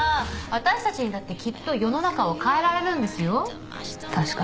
私たちにだってきっと世の中を変えられるんですよ。